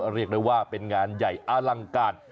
เรียกได้ว่าเป็นงานใหญ่อลังการ